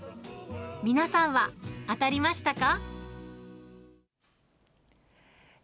皆さんは当たりましたか？